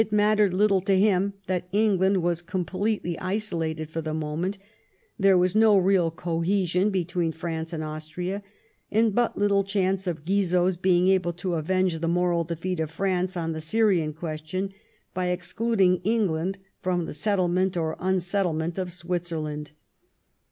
It mattered little to him that Eng land w(i8 completely isolated for the moment ; there was no real cohesion between France and Austria, and but little chance of Guizot's being able to avenge the moral defeat of France on the Syrian question by ex cluding England from the settlement or unsettlement of Switzerland.